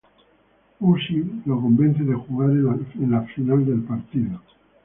Usi lo convence de jugar en la final del partido.